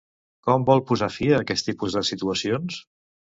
Com vol posar fi a aquest tipus de situacions?